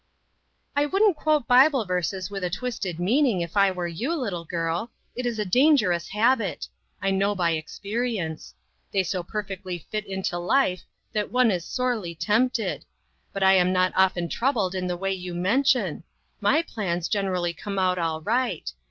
" I wouldn't quote Bible verses with a twisted meaning, if I were you, little girl. It is a dangerous habit ; I know by ex perience. They so perfectly fit into life, that one is sorely tempted. But I am not often troubled in the way you mention ; my plans generally come out all right.